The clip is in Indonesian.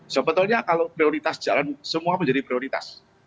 sebetulnya kalau prioritas jalan semua menjadi prioritas